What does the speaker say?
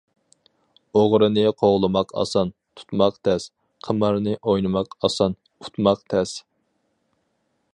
ئوغرىنى قوغلىماق ئاسان، -تۇتماق تەس، قىمارنى ئوينىماق ئاسان، -ئۇتماق تەس.